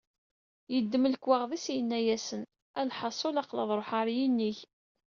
Yeddem lekwaɣeḍ-is yenna-asen: “Lḥaṣul, aql-i ad ruḥeɣ ɣer yinig”.